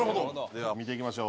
では見ていきましょう。